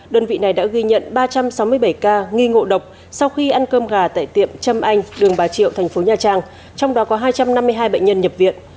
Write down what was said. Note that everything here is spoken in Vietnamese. đơn vị này đã ghi nhận ba trăm sáu mươi bảy ca nghi ngộ độc sau khi ăn cơm gà tại tiệm châm anh đường bà triệu thành phố nhà trang trong đó có hai trăm năm mươi hai bệnh nhân nhập viện